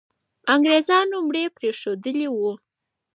انګریزان مړي پرېښودلي وو.